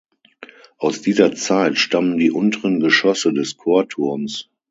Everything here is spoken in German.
Aus dieser Zeit stammen die unteren Geschosse des Chorturms.